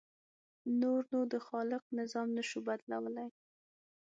نور نو د خالق نظام نه شو بدلولی.